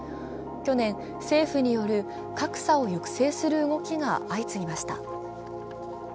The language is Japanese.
去年、政府による、格差を抑制する動きが相次ぎました。